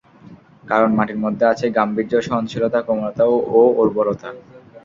কারণ মাটির মধ্যে আছে গাম্ভীর্য, সহনশীলতা, কোমলতা ও উর্বরতা।